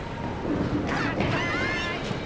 合体！